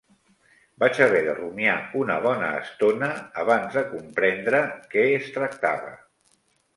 Vaig haver de rumiar una bona estona abans de comprendre que es tractava